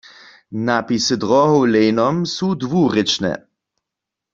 Napisy dróhow w Lejnom su dwurěčne.